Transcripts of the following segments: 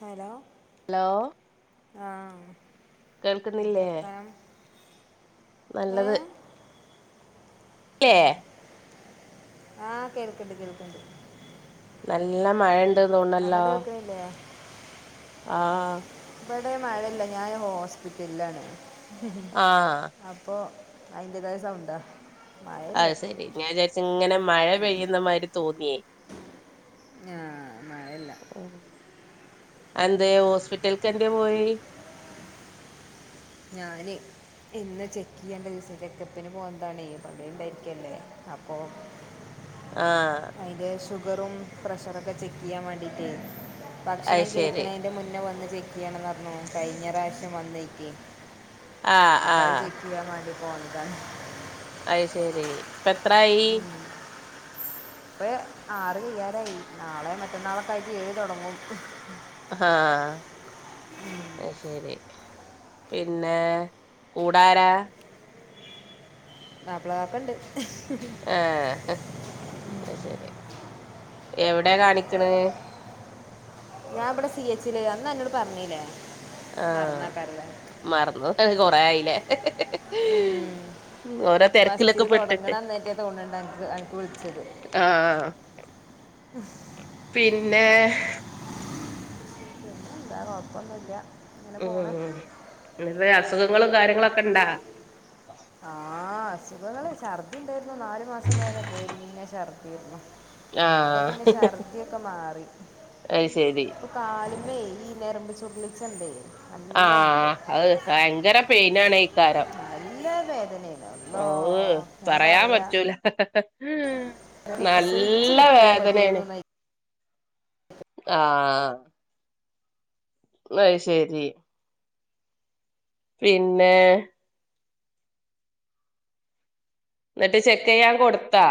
Hello. Hello ആഹ് കേൾക്കുന്നില്ലേ [unintelligible] നല്ലത്. ല്ലേ മ്മ് ആഹ് കേൾക്കണ്ട് കേൾക്കണ്ട്. നല്ല മഴ അങ്ങട്ട് വെക്കുന്നില്ലേ. ആഹ്. ഇവിടെ മഴല്ല. ഞാൻ ഹോസ്പിറ്റലിലാണ്. ആഹ്. അപ്പോ അയിന്റെതായ സൗണ്ട അത് സെരി. ഞാൻ വിചാരിച്ചിങ്ങനെ മഴ പെയ്യുന്ന മാതിരി തോന്നിയേ. ആഹ് മഴ അല്ല. എന്തെ ഹോസ്പിറ്റൽക്ക് എന്തെ പോയി? ഞാന്- ഇന്ന് ചെക്കയ്യേണ്ട ദിവസം ചെക്കപ്പിന് പോവന്താണെ [unintelligible] യിരിക്കല്ലേ അപ്പൊ [inaudible] ആഹ് അതിന്റെ ഷുഗറും പ്രഷറൊക്കെ ചെക്ക് ചെയ്യാൻ വേണ്ടിയിട്ടേ അത് ഭക്ഷണം ശെരി കഴിക്ക്ണയ് ന്റെ മുന്നേ വന്ന് ചെക്ക് ചെയ്യണംന്ന് പറഞ്ഞു കഴിഞ്ഞ പ്രാവശ്യം വന്നേക്ക് ആഹ് അപ്പഴ ആഹ് ചെക്ക് ചെയ്യാൻ വേണ്ടി പോന്നതാണ് അയ് ശെരി ഇപ്പ എത്രായി ഉ ഇപ്പ ആറ് കയ്യാനായി നാളെ മറ്റന്നാളൊക്കായിട്ട് ഏഴു തുടങ്ങും ആഹ് അത്ശെരി പിന്നെ കൂടാരാ മാപ്പ്ള കാക്കണ്ട് ഏഹ് അത്ശെരി എവിടെ കാണിക്ക്ണ് ഞാൻ ഇവിടെ സി എച്ചില് അന്ന അന്നോട് പറഞ്ഞിലേ ആഹ് മറന്നു അത് കൊറ ആയിലെ ആഫസ്റ്റില് തൊടങ്ങണ അന്നെറ്റെ തോന്നണ്ട് അനക്ക് അനക്ക് വിളിച്ചത് ആഹ് ആഹ് പിന്നെ പിന്നെന്താ കൊഴപ്പൊന്നില്ല ഉം [unintelligible] അസുഖങ്ങളും കാര്യങ്ങളൊക്കെ ഇണ്ടാ ആഹ് അസുഖങ്ങള് ഛർദ്ദി ഉണ്ടായിരുന്നു നാലു മാസം വരെ പോരിഞ്ഞ ഛർദ്ദിയിരുന്നു ഇപ്പൊ ആഹ് പിന്നെ ഛർദി ഒക്കെ മാറി അത് ശരി കാലിമ്മെ ഈ നെരമ്പ് ചുർലിച്ചണ്ടെ ആഹ് അത് ഭയങ്കര പെയിനാണെയ്ക്കാരം നല്ല വേദനയാണ് അല്ലോ ഓഹ് ഞാൻ പറയാൻ പറയാ പറ്റൂല ഒന്ന് പ്രസവിച്ച് നല്ല കിട്ടിയാൽ വേദനേണ് മതിയായിരുന്നു എന്നാ ആഹ് അത്ശെരി പിന്നെ എന്നിട്ട് ചെക്ക് ചെയ്യാൻ കൊടുത്താ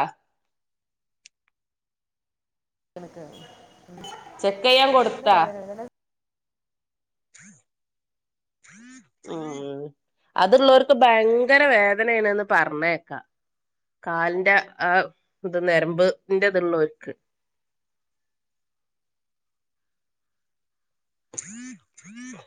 [unintelligible] ചെക്ക് യ്യാൻ കൊടുത്താ ആഹ് അത്ള്ളോർക്ക് ഭയങ്കര വേദനയണെന്ന് പറഞ്ഞേക്കാം കാലിന്റെ ആ ഇത് നരമ്പ് ഇന്റെ ഇത്ള്ളോൽക്ക് [unintelligible]